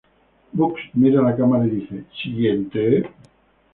Bugs mira a la cámara y dice "¿siguiente?".